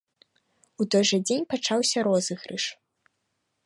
У той жа дзень пачаўся розыгрыш.